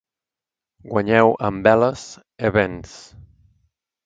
Guanyeu amb veles e vents.